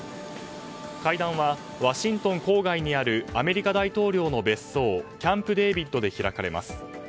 会談はワシントン郊外にあるアメリカ大統領の別荘キャンプデービッドで開かれます。